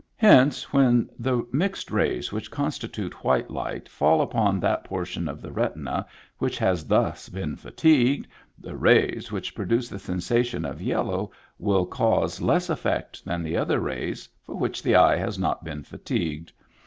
Hence, when the mixed rays which constitute white light fall upon that portion of the retina which has thus been fatigued, the rays which produce the sensation of yellow will cause less effect than the other rays for which the eye has not been fatigued.